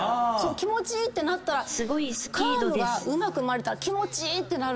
気持ちいいってなったらカーブがうまく曲がれたら気持ちいいってなるんですね。